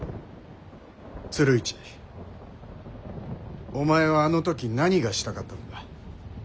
鶴市お前はあの時何がしたかったのだ？